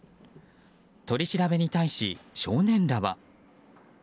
取り調べに対し、少年らは。